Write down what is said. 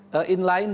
kemungkinan banyak ya